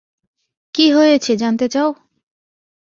কী হয়েছে জানতে চাও?